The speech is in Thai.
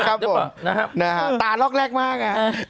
ครับผมตาลอกแรกมาก